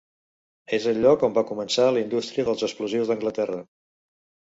És el lloc on va començar la indústria dels explosius d'Anglaterra.